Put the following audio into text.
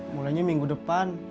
mulainya minggu depan